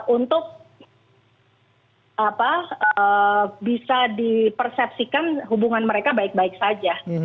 untuk bisa dipersepsikan hubungan mereka baik baik saja